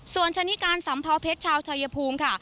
ส่วนชะนิการสัมเภาเพชรชาวชายภูมิค่ะ